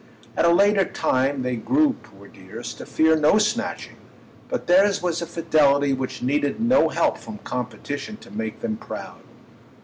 At a later time they grew, poor dears, to fear no snatching; but theirs was a fidelity which needed no help from competition to make them proud.